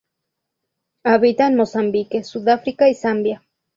Habita en Mozambique, Sudáfrica y Zambia.